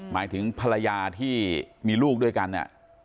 หมายถึงภรรยาที่มีลูกด้วยกัน